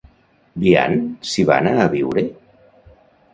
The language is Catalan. Biant s'hi va anar a viure?